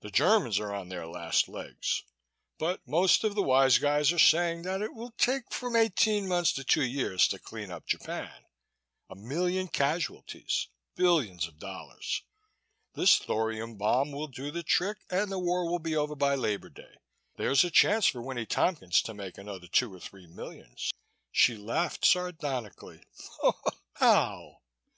The Germans are on their last legs, but most of the wise guys are saying that it will take from eighteen months to two years to clean up Japan a million casualties, billions of dollars. This thorium bomb will do the trick and the war will be over by Labor Day. There's a chance for Winnie Tompkins to make another two or three millions." She laughed sardonically. "How?"